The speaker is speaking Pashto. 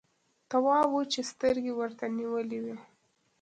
تواب وچې سترګې ورته نيولې وې.